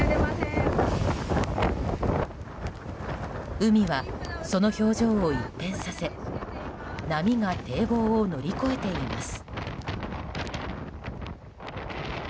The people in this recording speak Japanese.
海は、その表情を一変させ波が堤防を乗り越えています。